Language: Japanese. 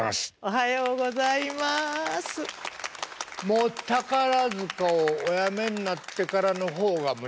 もう宝塚をおやめになってからの方がもちろん長い。